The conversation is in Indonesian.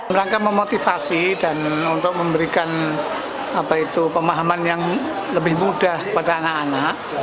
mereka memotivasi dan untuk memberikan pemahaman yang lebih mudah kepada anak anak